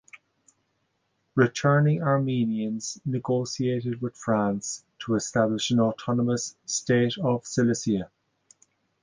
Returning Armenians negotiated with France to establish an autonomous "State of Cilicia".